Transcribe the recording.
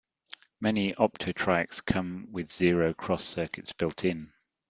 Many opto-triacs come with zero cross circuits built in.